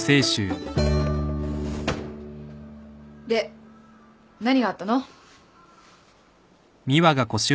で何があったの？